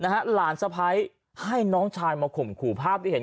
หลานสะพ้ายให้น้องชายมาข่มขู่ภาพที่เห็น